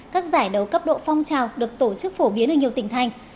các giải đấu cấp độ phong trào được tổ chức phổ biến ở nhiều tỉnh thành